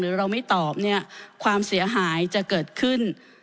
เราไม่ตอบเนี่ยความเสียหายจะเกิดขึ้น